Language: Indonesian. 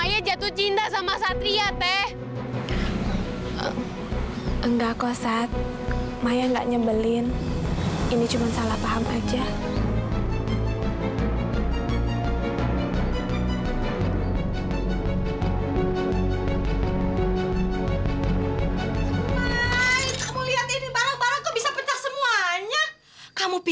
yaudah sekarang kita cari sama sama yuk